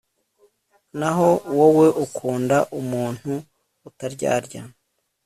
naho wowe ukunda umuntu utaryarya